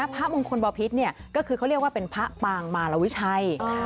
พระมงคลบพิษก็คือเขาเรียกว่าเป็นพระปางมารวิชัย